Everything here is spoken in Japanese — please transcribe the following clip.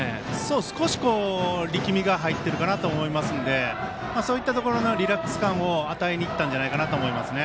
少し力みが入ってるかなと思いますのでそういったところのリラックス感を与えにいったんじゃないかなと思いますね。